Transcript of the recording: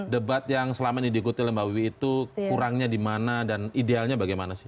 debat yang selama ini diikuti oleh mbak wiwi itu kurangnya di mana dan idealnya bagaimana sih